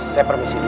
saya permisi dulu